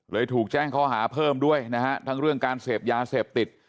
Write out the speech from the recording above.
ถูกแจ้งข้อหาเพิ่มด้วยนะฮะทั้งเรื่องการเสพยาเสพติด